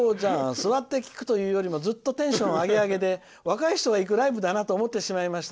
「座って聞くというよりもずっとテンションアゲアゲで若い人が行くライブだなと思ってしまいました。